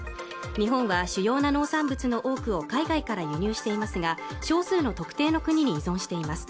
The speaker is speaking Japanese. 日本は主要な農産物の多くを海外から輸入していますが少数の特定の国に依存しています